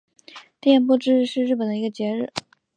电波之日是日本的一个节日。